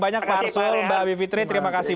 banyak pak arsul mbak bivitri terima kasih